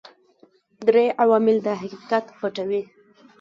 درې عوامل دا حقیقت پټوي.